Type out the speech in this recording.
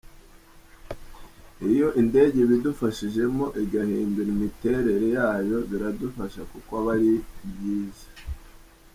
Iyo indege ibidufashijemo igahindura imiterere yayo biradufasha kuko aba ari byiza.’’